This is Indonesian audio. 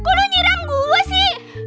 kok lu nyiram gue sih